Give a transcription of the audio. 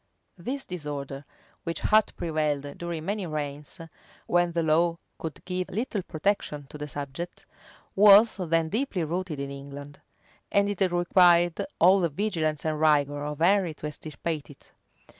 This disorder, which had prevailed during many reigns, when the law could give little protection to the subject, was then deeply rooted in England; and it required all the vigilance and rigor of Henry to extirpate it.